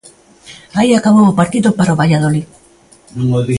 Aí acabou o partido para o Valladolid.